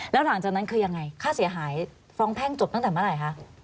แล้วหลังจากนั้นคือยังไงค่าเสียหายฟ้องแพ่งจบตั้งแต่เมื่อไหร่คะ